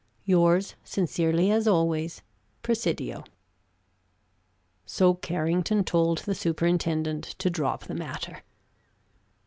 Yours, sincerely as always, Presidio." So Carrington told the superintendent to drop the matter.